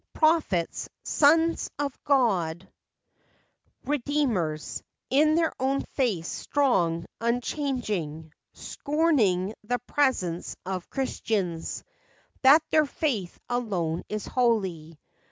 117 Prophets, sons of God, redeemers, In their own faiths strong, unchanging; Scorning the pretense of Christians, That their faith alone is holy.